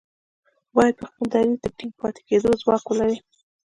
بايد پر خپل دريځ د ټينګ پاتې کېدو ځواک ولري.